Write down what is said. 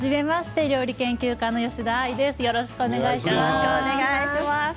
よろしくお願いします。